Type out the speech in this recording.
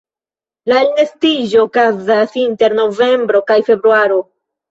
La elnestiĝo okazas inter novembro kaj februaro.